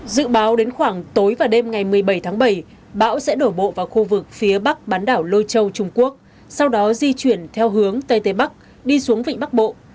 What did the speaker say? dự báo đến khoảng tối và đêm ngày một mươi bảy tháng bảy bão sẽ đổ bộ vào khu vực phía bắc bán đảo lôi châu trung quốc sau đó di chuyển theo hướng tây tây bắc đi xuống vịnh bắc bộ